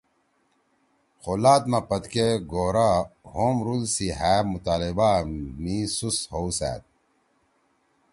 خو لات ما پدکے گورا ہوم رول سی ہأ مطالبآ می سُست ہؤسأد